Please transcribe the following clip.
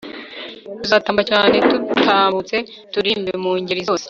tuzatamba cyane dutambutse, turirimbe mu ngeri zose